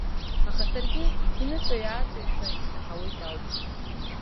Аха саргьы иныҵаҩ-ааҵаҩшәа исаҳауеит ауп.